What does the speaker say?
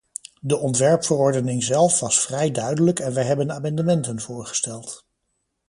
De ontwerpverordening zelf was vrij duidelijk en wij hebben amendementen voorgesteld.